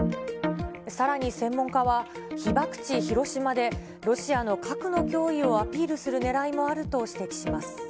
さらに専門家は、被爆地、広島でロシアの核の脅威をアピールするねらいもあると指摘します。